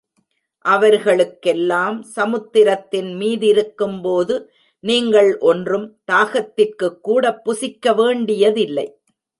அவர்களுக்கெல்லாம், சமுத்திரத்தின் மீதிருக்கும்போது நீங்கள் ஒன்றும், தாகத்திற்குக்கூடப் புசிக்க வேண்டியதில்லை.